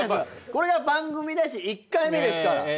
これが番組だし１回目ですから。